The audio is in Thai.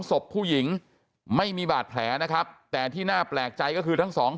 ศพผู้หญิงไม่มีบาดแผลนะครับแต่ที่น่าแปลกใจก็คือทั้งสอง